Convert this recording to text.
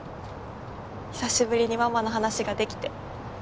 久しぶりにママの話ができて。